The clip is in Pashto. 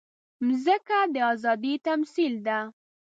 مځکه د ازادۍ تمثیل ده.